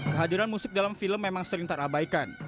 kehadiran musik dalam film memang sering terabaikan